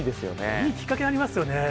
いいきっかけになりますよね。